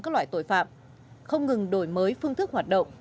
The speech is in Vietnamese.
các loại tội phạm không ngừng đổi mới phương thức hoạt động